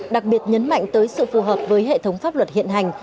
đặc biệt nhấn mạnh tới sự phù hợp với hệ thống pháp luật hiện hành